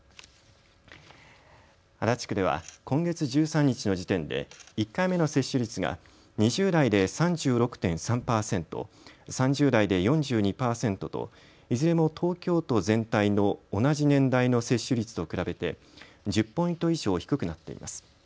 足立区では今月１３日の時点で１回目の接種率が２０代で３６．３％、３０代で４２％といずれも東京都全体の同じ年代の接種率と比べて１０ポイント以上低くなっています。